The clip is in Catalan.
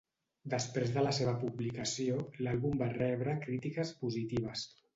Després de la seva publicació, l'àlbum va rebre crítiques positives.